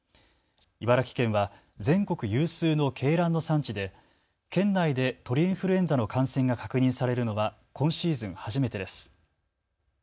茨城県は全国有数の鶏卵の産地で県内で鳥インフルエンザの感染が確認されるのは今シーズン初めてです。